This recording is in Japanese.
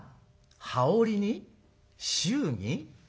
羽織に祝儀？